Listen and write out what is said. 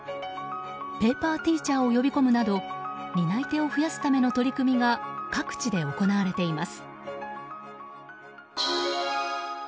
ペーパーティーチャーを呼び込むなど担い手を増やすための取り組みが各地で行われています。